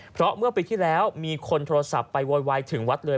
เพราะเมื่อปีที่แล้วมีคนโทรศัพท์ไปโวยวายถึงวัดเลย